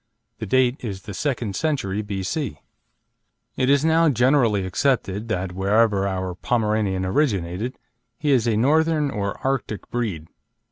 The date is the second century, B.C. It is now generally accepted that, wherever our Pomeranian originated, he is a Northern or Arctic breed.